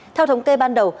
theo thống kê ban đầu